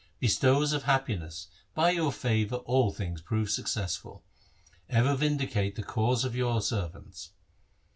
Bestowers of happiness, by your favour all things prove successful. Ever vindicate the cause of your servants.'